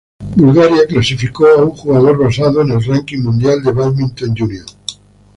Bulgaria clasificó a un jugador basado en el ranking mundial de bádminton junior.